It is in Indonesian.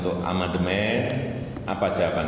juga kita berpikir dirisik